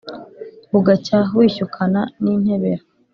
bugacya wishyukana n'intebera.